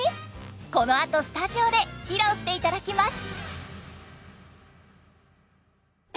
このあとスタジオで披露していただきます。